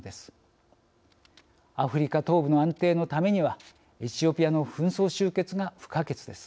アフリカ東部の安定のためにはエチオピアの紛争終結が不可欠です。